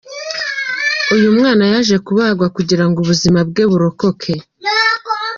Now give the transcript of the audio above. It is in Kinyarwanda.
Uyu mwana yaje kubagwa kugira ngo ubuzima bwe burokoke.